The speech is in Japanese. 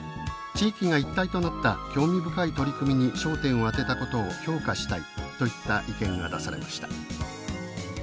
「地域が一体となった興味深い取り組みに焦点を当てたことを評価したい」といった意見が出されました。